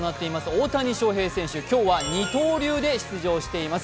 大谷翔平選手、今日は二刀流で出場しています。